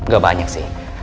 gak banyak sih